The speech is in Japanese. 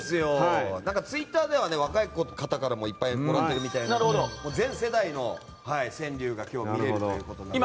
ツイッターでは若い方からもいっぱいもらっているみたいなので全世代の川柳が今日は見られるということです。